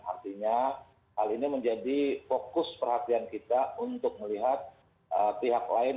artinya hal ini menjadi fokus perhatian kita untuk melihat pihak lain